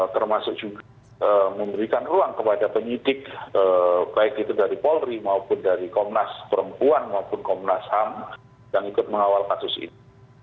termasuk juga memberikan ruang kepada penyidik baik itu dari polri maupun dari komnas perempuan maupun komnas ham yang ikut mengawal kasus ini